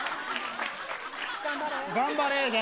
頑張れ。